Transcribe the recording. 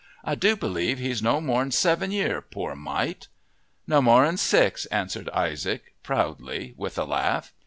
I do b'lieve he's no more'n seven year poor mite!" "No more'n six," answered Isaac proudly, with a laugh.